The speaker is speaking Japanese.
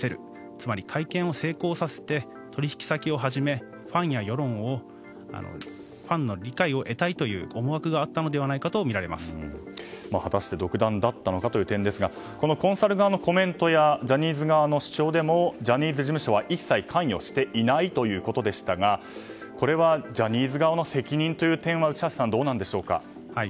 つまり会見を成功させて取引先をはじめファンの理解を得たいという思惑があったのではないかと果たして独断だったのかという点ですがこのコンサル側のコメントやジャニーズ側の主張でもジャニーズ事務所は一切関与していないということですがこれはジャニーズ側の責任はどうなんでしょうか？